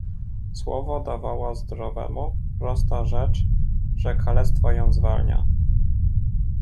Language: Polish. "Słowo dawała zdrowemu, prosta rzecz, że kalectwo ją zwalnia."